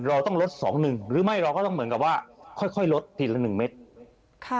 เราต้องลด๒เมตรหรือไม่เราก็ต้องเหมือนกับว่าค่อยลดทีละ๑เมตร